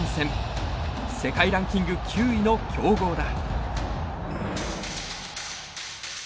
世界ランキング９位の強豪だ。